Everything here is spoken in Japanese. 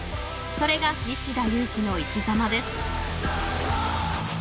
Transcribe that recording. ［それが西田有志の生きざまです］